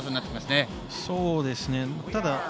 そうですね。